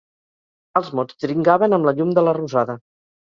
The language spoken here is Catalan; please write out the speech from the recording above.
Els mots dringaven amb la llum de la rosada.